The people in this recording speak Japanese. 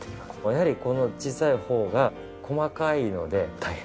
やはりこの小さい方が細かいので大変です。